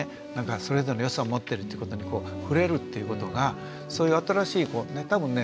それぞれの良さを持ってるってことに触れるっていうことがそういう新しい多分ね